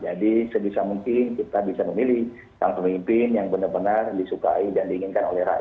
jadi sebisa mungkin kita bisa memilih tanggung pimpin yang benar benar disukai dan diinginkan oleh rakyat